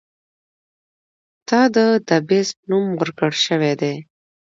ته د “The Beast” نوم ورکړے شوے دے.